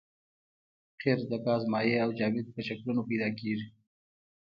قیر د ګاز مایع او جامد په شکلونو پیدا کیږي